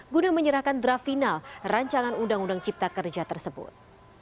guna menyerahkan draft final rancangan undang undang cipta kerja tersebut